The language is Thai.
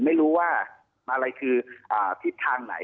ไม่รู้ว่าอะไรคือทิศทางไหน